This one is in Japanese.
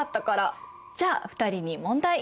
じゃあ２人に問題！